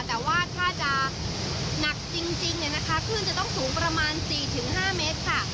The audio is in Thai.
แต่ว่าถ้าจะหนักจริงเนี่ยนะคะคลื่นจะต้องสูงประมาณ๔๕เมตรค่ะ